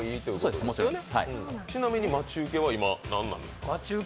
ちなみに待ち受けは何なですか？